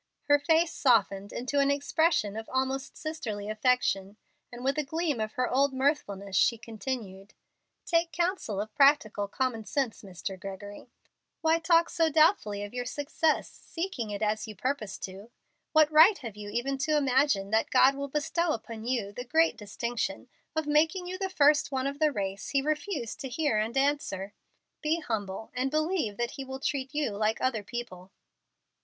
Her face softened into an expression of almost sisterly affection, and with a gleam of her old mirthfulness she continued, "Take counsel of practical common sense, Mr. Gregory. Why talk so doubtfully of success, seeking it as you purpose to? What right have you even to imagine that God will bestow upon you the great distinction of making you the first one of the race He refused to hear and answer? Be humble and believe that He will treat you like other people."